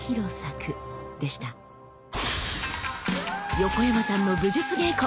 横山さんの武術稽古。